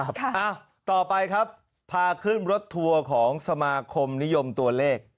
ต่อไปครับพาขึ้นรถทัวร์ของสมาคมนิยมตัวเลข